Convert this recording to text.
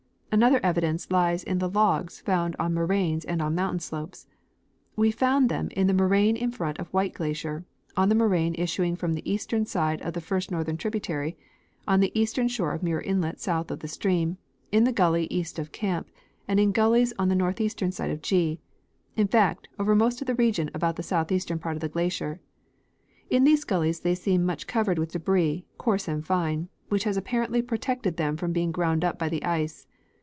Another evidence lies in the logs found on moraines and on mountain slopes. We found them in the moraine in front of White glacier, on the moraine issuing from the eastern side of the first northern tributary, on the eastern shore of Muir inlet south of the stream, in the gully east of camp, and in gullies on the northeastern side of G ; in fact, over most of the region about the southeastern part of the glacier. In these gullies they seemed much covered with debris, coarse and fine, which has apparently protected them from being ground up by the ice.